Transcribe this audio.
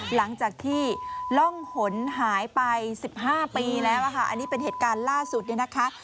หลังจากที่ล่องหนหายไป๑๕ปีแล้วค่ะอันนี้เป็นเหตุการณ์ล่าสุดเนี่ยนะคะ